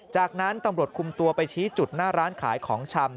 จากนั้นตำรวจคุมตัวไปชี้จุดหน้าร้านขายของชำ